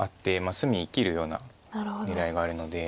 隅生きるような狙いがあるので。